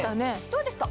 どうですか？